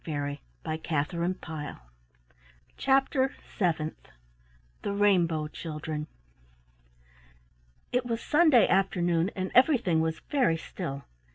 CHAPTER SEVENTH. THE RAINBOW CHILDREN. It was Sunday afternoon, and everything was very still.